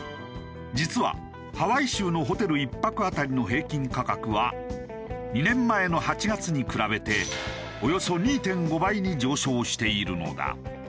実はハワイ州のホテル１泊当たりの平均価格は２年前の８月に比べておよそ２．５倍に上昇しているのだ。